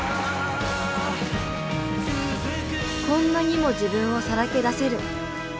こんなにも自分をさらけ出せる。